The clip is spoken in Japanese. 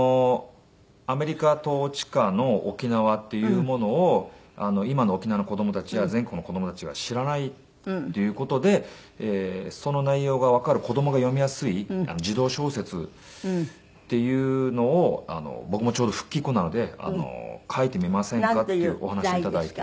アメリカ統治下の沖縄っていうものを今の沖縄の子供たちや全国の子供たちは知らないっていう事でその内容がわかる子供が読みやすい児童小説っていうのを僕もちょうど復帰っ子なので書いてみませんかって。